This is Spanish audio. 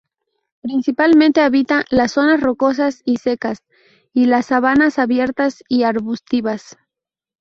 Principalmente habita las zonas rocosas y secas y las sabanas abiertas y arbustivas.